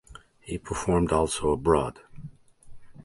He performed also abroad.